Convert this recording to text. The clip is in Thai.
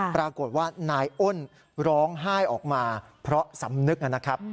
ปรากฏว่านายอ้นร้องไห้ออกมาเพราะสำนึกนะครับ